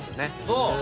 そう！